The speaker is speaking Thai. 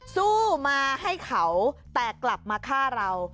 สู้มาให้เขาแต่กลับมาฆ่าเรา